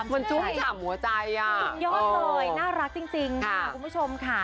มันจุ้มฉ่ำหัวใจอ่ะสุดยอดเลยน่ารักจริงค่ะคุณผู้ชมค่ะ